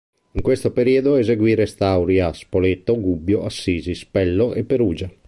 In questo periodo eseguì restauri a Spoleto, Gubbio, Assisi, Spello e Perugia.